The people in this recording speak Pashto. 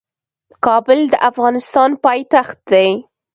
کابل د افغانستان پايتخت دی.